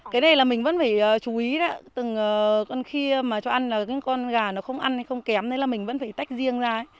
cái này là mình vẫn phải chú ý từng con khi mà cho ăn là con gà nó không ăn hay không kém nên là mình vẫn phải tách riêng ra